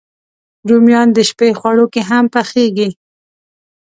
رومیان د شپی خواړو کې هم پخېږي